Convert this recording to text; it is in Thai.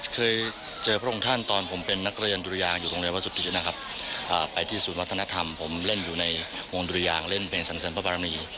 เคยเจอพระองค์ท่านตอนผมเป็นนักเรียนดุรยางอยู่โรงเรียนวัดสุทธินะครับไปที่ศูนย์วัฒนธรรมผมเล่นอยู่ในวงดุรยางเล่นเป็นสันเสริมพระบารมี